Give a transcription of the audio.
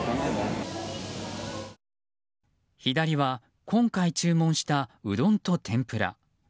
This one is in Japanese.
左は今回注文した、うどんと天ぷら。